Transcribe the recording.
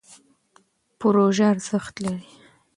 پروژه ارزښت لري.